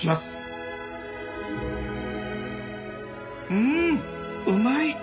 うんうまい